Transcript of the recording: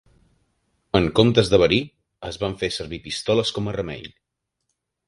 En comptes de verí, es van fer servir pistoles com a remei.